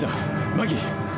マギー。